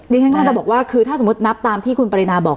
ฉันกำลังจะบอกว่าคือถ้าสมมุตินับตามที่คุณปรินาบอก